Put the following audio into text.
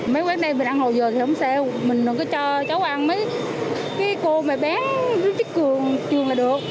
mấy quán này mình ăn hồi giờ thì không sao mình đừng có cho cháu ăn mấy cô mà bán trước trường là được